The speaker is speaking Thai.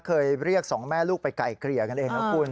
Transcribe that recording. เคยเรียกสองแม่ลูกไปไก่เกลี่ยกันเองนะคุณ